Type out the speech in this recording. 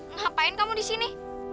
ngapain kamu disini